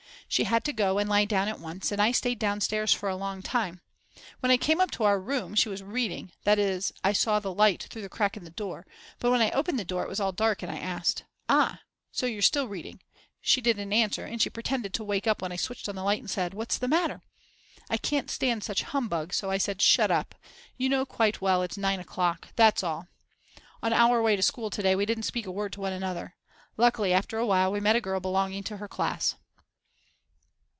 She had to go and lie down at once and I stayed downstairs for a long time. When I came up to our room she was reading, that is I saw the light through the crack in the door; but when I opened the door it was all dark and when I asked: Ah so you're still reading she didn't answer and she pretended to wake up when I switched on the light and said: What's the matter? I can't stand such humbug so I said: Shut up, you know quite well it's 9 o clock. That's all. On our way to school to day we didn't Speak a word to one another. Luckily after awhile we met a girl belonging to her class.